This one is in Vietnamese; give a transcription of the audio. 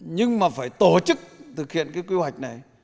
nhưng mà phải tổ chức thực hiện cái quy hoạch này